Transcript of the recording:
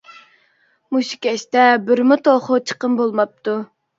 مۇشۇ كەچتە بىرمۇ توخۇ چىقىم بولماپتۇ.